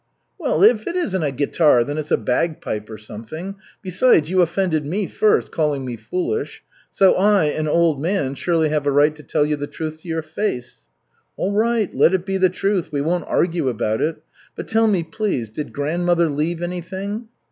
'" "Well, if it isn't a guitar, then it's a bagpipe or something. Besides, you offended me first, called me foolish. So I, an old man, surely have a right to tell you the truth to your face." "All right, let it be the truth. We won't argue about it. But tell me, please, did grandmother leave anything?"